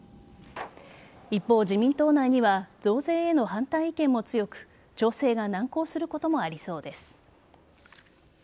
一方、自民党内には増税への反対意見も強く調整が難航することもありそうです。